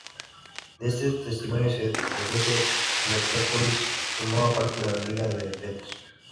De este testimonio se deduce que Metrópolis formaba parte de la Liga de Delos.